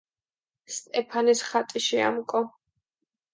სტეფანეს ხატი შეამკო.